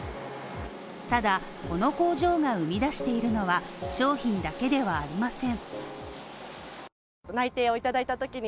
ただ、この工場が生み出しているのは、商品だけではありません。